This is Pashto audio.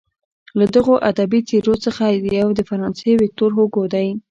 له دغو ادبي څیرو څخه یو د فرانسې ویکتور هوګو دی.